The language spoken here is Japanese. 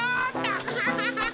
アハハハハ！